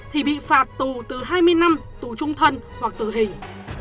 thì bị phạt tù từ hai mươi năm tù trung thân hoặc tử hình